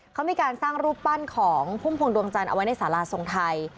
เขามีการสร้างรูปปั้นของพุ่มพวงดวงจันทร์เอาไว้ในสาราทรงไทย